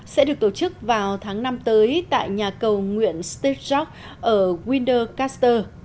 sẽ được tổ chức vào tháng năm tới tại nhà cầu nguyễn stichrock ở wintercaster